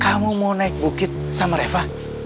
kamu mau naik bukit sama reva